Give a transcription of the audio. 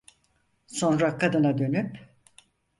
Sonra kadına dönüp: